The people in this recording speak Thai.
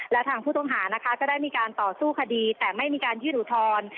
และทางผู้ต้องหานะคะก็ได้มีการต่อสู้คดีแต่ไม่มีการยื่นอุทธรณ์